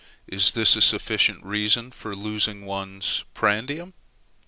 "Is this a sufficient reason for losing one's prandium?"